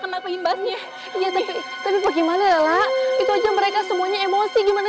kena keimbasnya iya tapi tapi bagaimana lah itu aja mereka semuanya emosi gimana